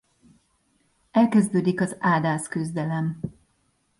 Elkezdődik az ádáz küzdelem.